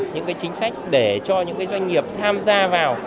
những cái chính sách để cho những cái doanh nghiệp tham gia vào